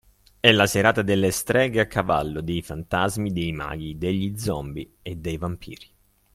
È la serata delle streghe a cavallo, dei fantasmi, dei maghi, degli zombie e dei vampiri.